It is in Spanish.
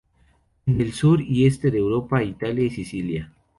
En el sur y este de Europa, Italia y Sicilia.